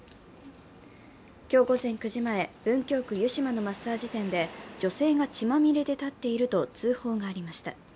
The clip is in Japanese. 今日午前９時前、文京区湯島のマッサージ店で女性が血まみれで立っていると通報がありました。